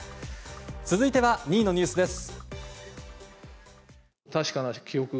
続いては２位のニュースです。